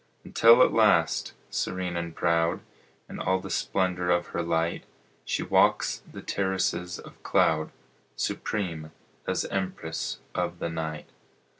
Until at last, serene and proud In all the splendor of her light, She walks the terraces of cloud, Supreme as Empress of the Night.